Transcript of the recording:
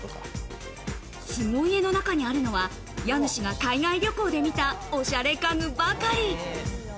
凄家の中にあるのは、家主が海外旅行で見たおしゃれ家具ばかり。